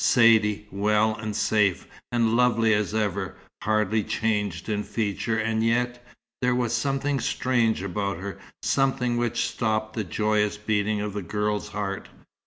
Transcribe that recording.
Saidee, well and safe, and lovely as ever, hardly changed in feature, and yet there was something strange about her, something which stopped the joyous beating of the girl's heart.